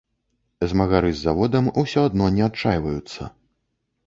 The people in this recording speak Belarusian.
Змагары з заводам усё адно не адчайваюцца.